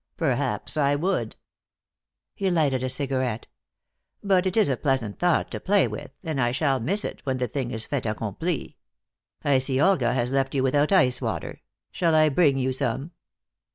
"Perhaps I would." He lighted a cigarette. "But it is a pleasant thought to play with, and I shall miss it when the thing is fait accompli. I see Olga has left you without ice water. Shall I bring you some?"